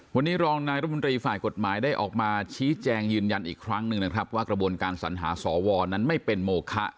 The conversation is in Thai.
วันนี้รองนายรัฐมนตรีฝ่ายกฎหมายได้ออกมาชี้แจงยืนยันอีกครั้งหนึ่งนะครับว่ากระบวนการสัญหาสวนั้นไม่เป็นโมคะ